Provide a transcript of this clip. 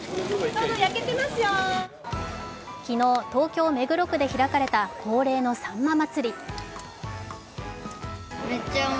昨日、東京・目黒区で開かれた恒例のさんま祭。